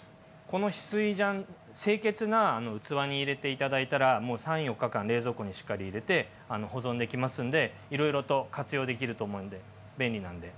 この翡翠醤清潔な器に入れて頂いたら３４日間冷蔵庫にしっかり入れて保存できますんでいろいろと活用できると思うんで便利なんで。